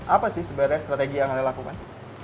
apa sih sebenarnya strategi yang anda lakukan